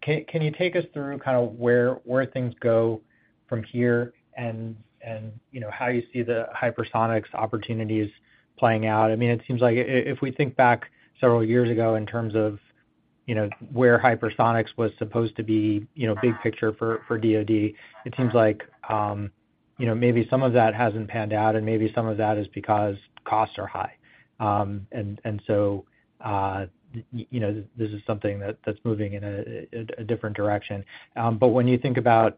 [SPEAKER 9] can you take us through kind of where things go from here and, and, you know, how you see the hypersonics opportunities playing out? I mean, it seems like if we think back several years ago in terms of, you know, where hypersonics was supposed to be, you know, big picture for DoD, it seems like, you know, maybe some of that hasn't panned out, and maybe some of that is because costs are high. So, you know, this is something that's moving in a different direction. When you think about,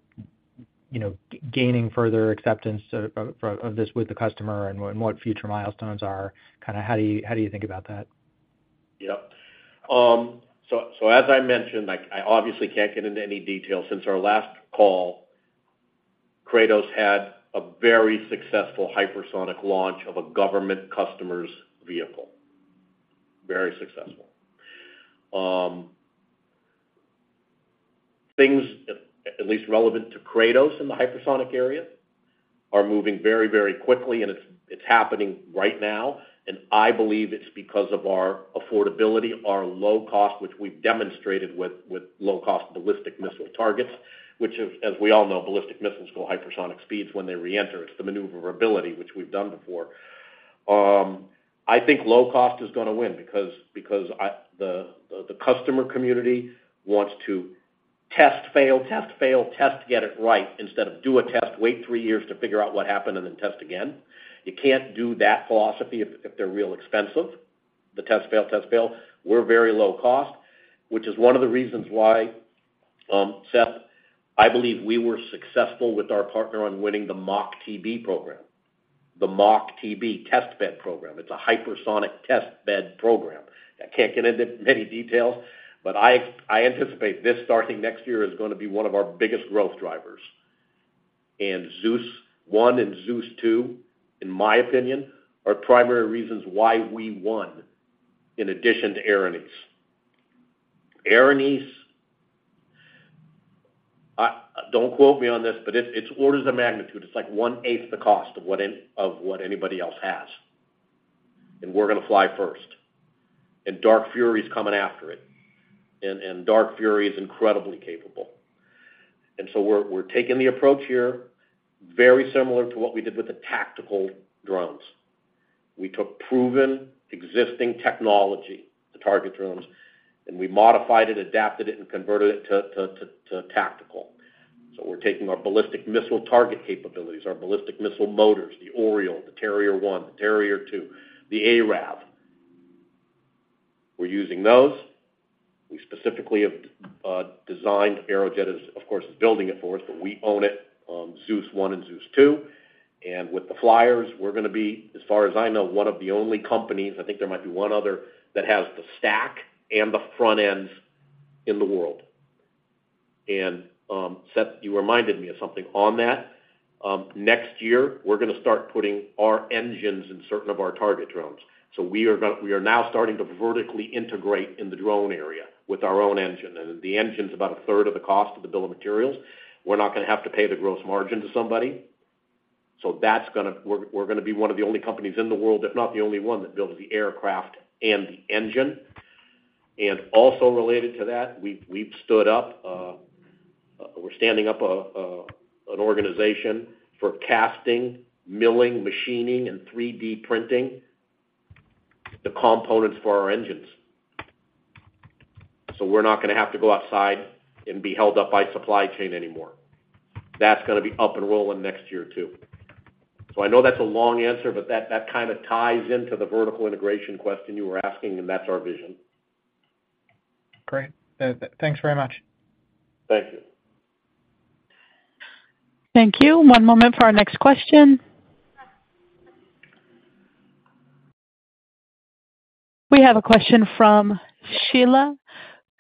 [SPEAKER 9] you know, gaining further acceptance of this with the customer and what future milestones are, kind of how do you, how do you think about that?
[SPEAKER 3] Yep. So as I mentioned, like I obviously can't get into any detail. Since our last call, Kratos had a very successful hypersonic launch of a government customer's vehicle. Very successful. Things, at, at least relevant to Kratos in the hypersonic area, are moving very, very quickly, and it's, it's happening right now, and I believe it's because of our affordability, our low cost, which we've demonstrated with, with low-cost ballistic missile targets, which as, as we all know, ballistic missiles go hypersonic speeds when they reenter. It's the maneuverability, which we've done before. I think low cost is gonna win because, because I, the, the customer community wants to test, fail, test, fail, test, get it right, instead of do a test, wait three years to figure out what happened, and then test again. You can't do that philosophy if, if they're real expensive, the test, fail, test, fail. We're very low cost, which is one of the reasons why, Seth, I believe we were successful with our partner on winning the MACH-TB program. The MACH-TB test bed program. It's a hypersonic test bed program. I can't get into many details, but I, I anticipate this starting next year, is gonna be one of our biggest growth drivers. ZEUS 1 and ZEUS 2, in my opinion, are primary reasons why we won, in addition to Erinyes. Erinyes, don't quote me on this, but it's, it's orders of magnitude. It's like one-eighth the cost of what anybody else has, and we're gonna fly first. Dark Fury is coming after it, and, and Dark Fury is incredibly capable. We're taking the approach here, very similar to what we did with the tactical drones. We took proven, existing technology, the target drones, and we modified it, adapted it, and converted it to tactical. We're taking our ballistic missile target capabilities, our ballistic missile motors, the Oriole, the Terrier One, the Terrier Two, the ARAV. We're using those. We specifically have designed, Aerojet is, of course, is building it for us, but we own it, ZEUS 1 and ZEUS 2. With the flyers, we're gonna be, as far as I know, one of the only companies, I think there might be one other, that has the stack and the front ends in the world. Seth, you reminded me of something on that. Next year, we're gonna start putting our engines in certain of our target drones. We are now starting to vertically integrate in the drone area with our own engine. The engine's about a third of the cost of the bill of materials. We're not gonna have to pay the gross margin to somebody, we're, we're gonna be one of the only companies in the world, if not the only one, that builds the aircraft and the engine. Also related to that, we've, we've stood up, we're standing up an organization for casting, milling, machining, and 3D printing the components for our engines. We're not gonna have to go outside and be held up by supply chain anymore. That's gonna be up and rolling next year, too. I know that's a long answer, but that kind of ties into the vertical integration question you were asking, and that's our vision.
[SPEAKER 9] Great. Thanks very much.
[SPEAKER 3] Thank you.
[SPEAKER 1] Thank you. One moment for our next question. We have a question from Sheila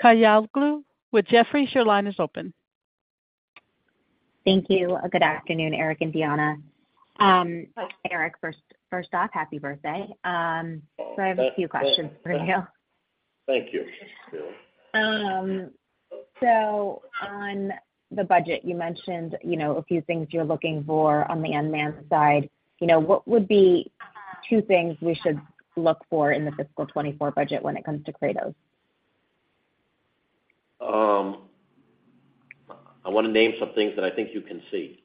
[SPEAKER 1] Kahyaoglu with Jefferies. Your line is open.
[SPEAKER 10] Thank you. Good afternoon, Eric and Deanna. Eric, first, first off, happy birthday. I have a few questions for you.
[SPEAKER 3] Thank you, Sheila.
[SPEAKER 10] On the budget, you mentioned, you know, a few things you're looking for on the unmanned side. You know, what would be two things we should look for in the fiscal 2024 budget when it comes to Kratos?
[SPEAKER 3] I wanna name some things that I think you can see.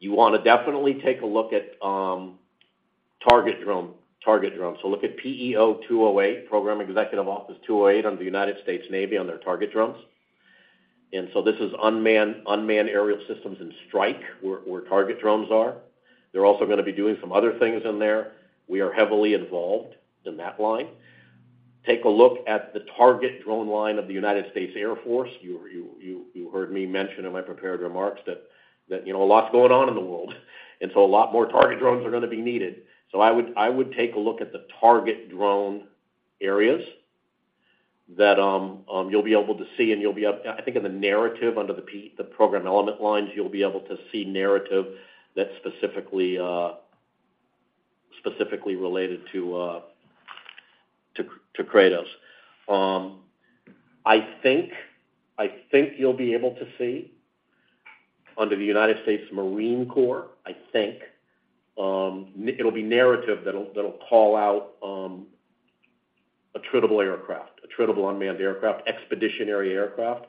[SPEAKER 3] You wanna definitely take a look at, target drone, target drone. Look at PEO 208, Program Executive Office 208, under the United States Navy on their target drones. This is unmanned, unmanned aerial systems and strike, where, where target drones are. They're also gonna be doing some other things in there. We are heavily involved in that line. Take a look at the target drone line of the United States Air Force. You heard me mention in my prepared remarks that, that, you know, a lot's going on in the world, a lot more target drones are gonna be needed. I would, I would take a look at the target drone areas that you'll be able to see, and you'll be able... I think in the narrative under the program element lines, you'll be able to see narrative that's specifically specifically related to Kratos. I think, I think you'll be able to see under the United States Marine Corps, I think, it'll be narrative that'll, that'll call out attributable aircraft, attributable unmanned aircraft, expeditionary aircraft.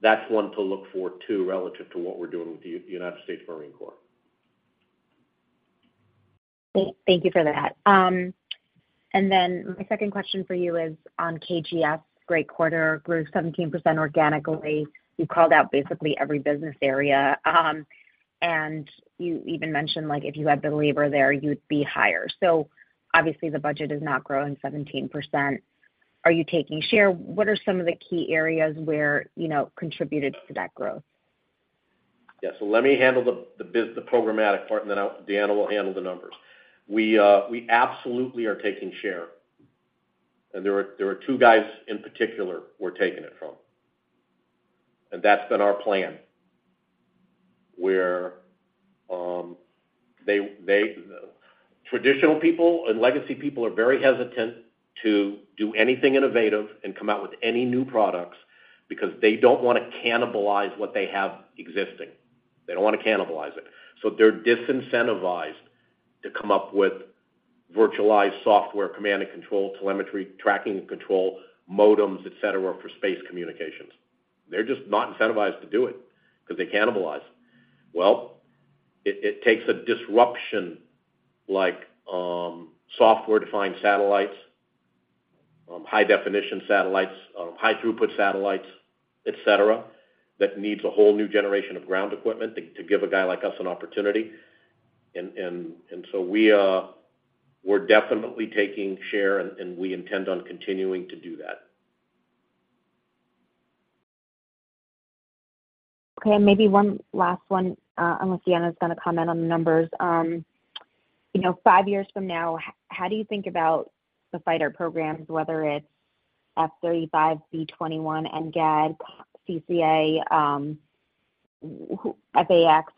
[SPEAKER 3] That's one to look for, too, relative to what we're doing with the United States Marine Corps.
[SPEAKER 10] Thank you for that. Then my second question for you is on KGS. Great quarter. Grew 17% organically. You called out basically every business area. You even mentioned, like, if you had the labor there, you'd be higher. Obviously, the budget is not growing 17%. Are you taking share? What are some of the key areas where, you know, contributed to that growth?
[SPEAKER 3] Yeah. Let me handle the programmatic part, and then I'll-- Deanna will handle the numbers. We absolutely are taking share, there were, there were two guys in particular we're taking it from. That's been our plan, where, Traditional people and legacy people are very hesitant to do anything innovative and come out with any new products because they don't wanna cannibalize what they have existing. They don't wanna cannibalize it, so they're disincentivized to come up with virtualized software, command and control, telemetry, tracking and control, modems, et cetera, for space communications. They're just not incentivized to do it, because they cannibalize. It takes a disruption like software-defined satellites, high-definition satellites, high-throughput satellites, et cetera, that needs a whole new generation of ground equipment to give a guy like us an opportunity. So we, we're definitely taking share, and we intend on continuing to do that.
[SPEAKER 10] Okay, maybe one last one, unless Deanna is gonna comment on the numbers. You know, 5 years from now, how do you think about the fighter programs, whether it's F-35, B-21, NGAD, CCA, FA-X?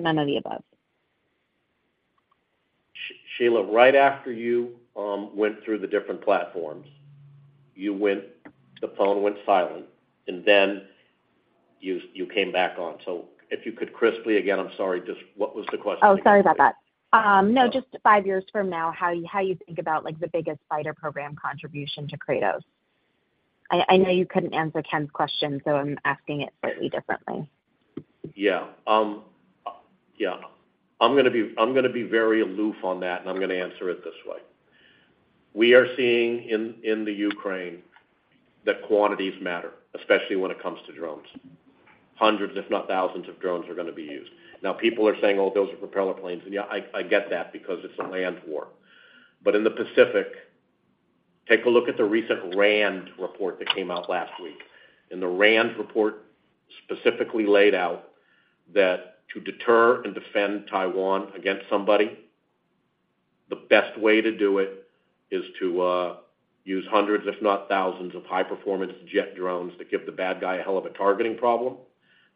[SPEAKER 10] None of the above.
[SPEAKER 3] Sheila, right after you went through the different platforms, you went the phone went silent, and then you, you came back on. If you could crisply, again, I'm sorry, just what was the question?
[SPEAKER 10] Oh, sorry about that. No, just five years from now, how you, how you think about, like, the biggest fighter program contribution to Kratos? I, I know you couldn't answer Ken's question, so I'm asking it slightly differently.
[SPEAKER 3] Yeah. Yeah. I'm gonna be very aloof on that, and I'm gonna answer it this way: We are seeing in the Ukraine that quantities matter, especially when it comes to drones. Hundreds, if not thousands, of drones are gonna be used. People are saying, "Oh, those are propeller planes." Yeah, I get that because it's a land war. In the Pacific, take a look at the recent RAND report that came out last week. The RAND report specifically laid out that to deter and defend Taiwan against somebody, the best way to do it is to use hundreds, if not thousands, of high-performance jet drones that give the bad guy a hell of a targeting problem.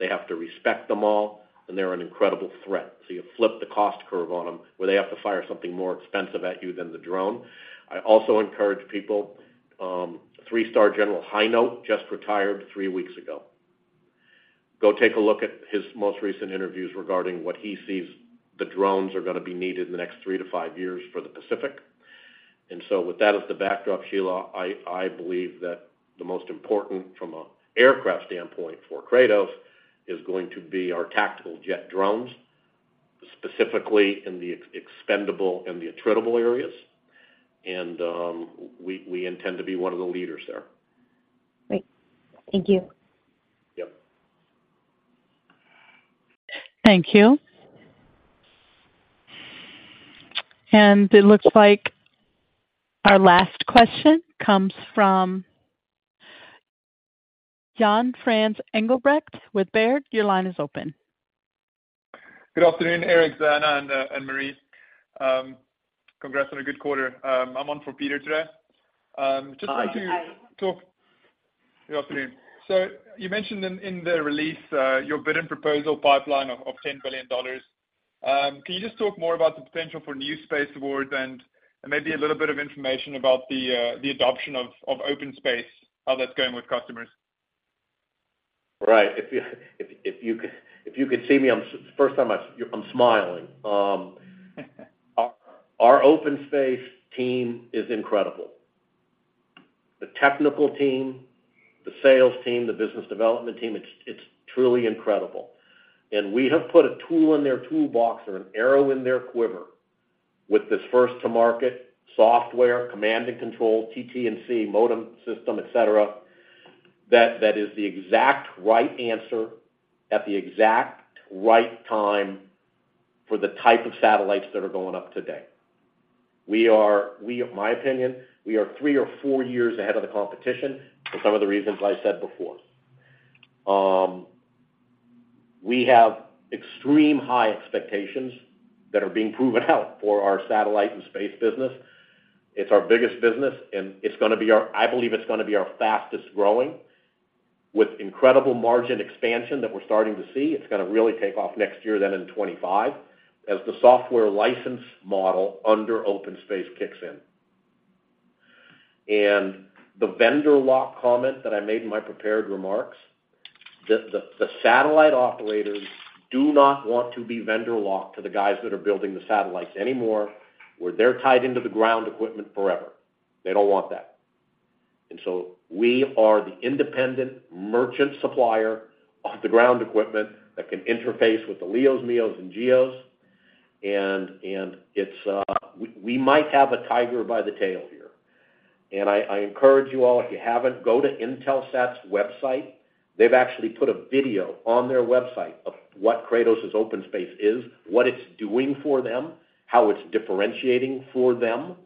[SPEAKER 3] They have to respect them all, and they're an incredible threat. You flip the cost curve on them, where they have to fire something more expensive at you than the drone. I also encourage people, three-star General Hinote just retired 3 weeks ago. Go take a look at his most recent interviews regarding what he sees the drones are gonna be needed in the next three to five years for the Pacific. With that as the backdrop, Sheila, I, I believe that the most important from a aircraft standpoint for Kratos is going to be our tactical jet drones, specifically in the expendable and the attritable areas, and we, we intend to be one of the leaders there.
[SPEAKER 10] Great. Thank you.
[SPEAKER 3] Yep.
[SPEAKER 1] Thank you. It looks like our last question comes from Jan-Frans Engelbrecht with Baird. Your line is open.
[SPEAKER 11] Good afternoon, Eric, Deanna, and Marie. Congrats on a good quarter. I'm on for Peter today. Just want to-
[SPEAKER 3] Hi.
[SPEAKER 11] Good afternoon. You mentioned in, in the release, your bidding proposal pipeline of, of $10 billion. Can you just talk more about the potential for new space awards and maybe a little bit of information about the adoption of OpenSpace, how that's going with customers?
[SPEAKER 3] Right. If you, if, if you could, if you could see me, I'm smiling. Our OpenSpace team is incredible. The technical team, the sales team, the business development team, it's truly incredible. We have put a tool in their toolbox or an arrow in their quiver with this first-to-market software, command and control, TT&C, modem system, et cetera, that, that is the exact right answer at the exact right time for the type of satellites that are going up today. We, in my opinion, we are three or four years ahead of the competition for some of the reasons I said before. We have extreme high expectations that are being proven out for our satellite and space business. It's our biggest business, and it's gonna be our-- I believe it's gonna be our fastest-growing, with incredible margin expansion that we're starting to see. It's gonna really take off next year, then in 2025, as the software license model under OpenSpace kicks in. The vendor lock comment that I made in my prepared remarks, the satellite operators do not want to be vendor locked to the guys that are building the satellites anymore, where they're tied into the ground equipment forever. They don't want that. So we are the independent merchant supplier of the ground equipment that can interface with the LEOs, MEOs, and GEOs, and it's we might have a tiger by the tail here. I encourage you all, if you haven't, go to Intelsat's website. They've actually put a video on their website of what Kratos' OpenSpace is, what it's doing for them, how it's differentiating for them,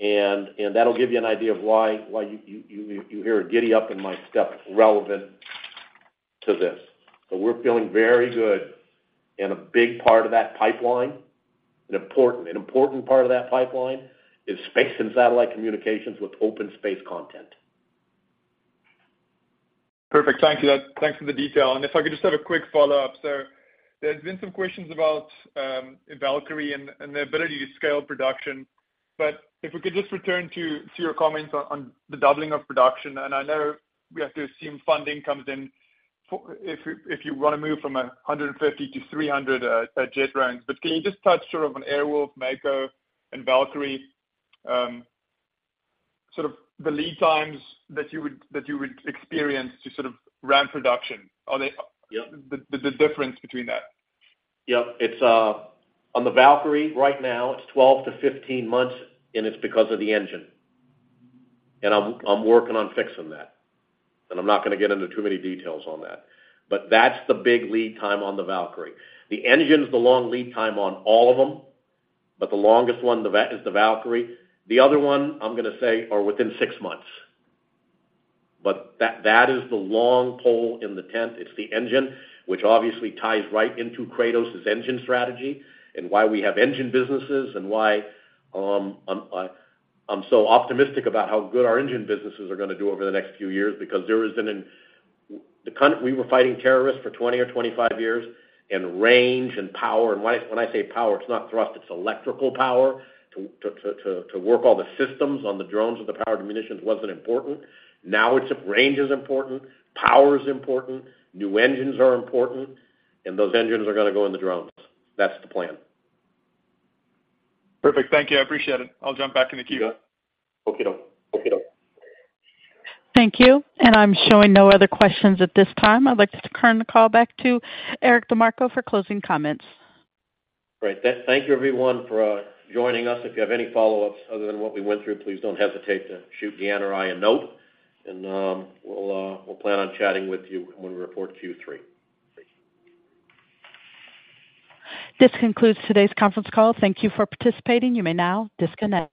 [SPEAKER 3] and that'll give you an idea of why, why you, you, you hear a giddy up in my step relevant to this. We're feeling very good, and a big part of that pipeline, an important part of that pipeline, is space and satellite communications with OpenSpace content.
[SPEAKER 11] Perfect. Thank you. Thanks for the detail. If I could just have a quick follow-up. There's been some questions about Valkyrie and the ability to scale production, but if we could just return to your comments on the doubling of production, and I know we have to assume funding comes in for if you wanna move from 150 to 300 jet drones. Can you just touch sort of on Air Wolf, Mako, and Valkyrie, sort of the lead times that you would, that you would experience to sort of ramp production? Are they?
[SPEAKER 3] Yep.
[SPEAKER 11] The difference between that.
[SPEAKER 3] Yep. It's on the Valkyrie right now, it's 12 months-15 months, and it's because of the engine. I'm, I'm working on fixing that, and I'm not gonna get into too many details on that. That's the big lead time on the Valkyrie. The engine's the long lead time on all of them, but the longest one is the Valkyrie. The other one, I'm gonna say, are within six months. That, that is the long pole in the tent. It's the engine, which obviously ties right into Kratos' engine strategy and why we have engine businesses and why I'm so optimistic about how good our engine businesses are gonna do over the next few years, because there has been an... We were fighting terrorists for 20 or 25 years, and range and power, and when I say power, it's not thrust, it's electrical power, to work all the systems on the drones with the power to munitions, wasn't important. Now it's range is important, power is important, new engines are important, and those engines are gonna go in the drones. That's the plan.
[SPEAKER 11] Perfect. Thank you. I appreciate it. I'll jump back in the queue.
[SPEAKER 3] You got it. Okie doke. Okie doke.
[SPEAKER 1] Thank you. I'm showing no other questions at this time. I'd like to turn the call back to Eric DeMarco for closing comments.
[SPEAKER 3] Great. Thank you everyone for joining us. If you have any follow-ups other than what we went through, please don't hesitate to shoot Deanna or I a note, and we'll we'll plan on chatting with you when we report Q3.
[SPEAKER 1] This concludes today's conference call. Thank you for participating. You may now disconnect.